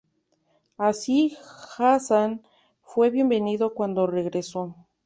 Así, Hassan fue bienvenido cuando regresó.